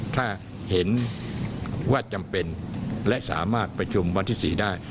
ถ้าเห็นว่าจำเป็นและสามารถประชุมวันที่๔ได้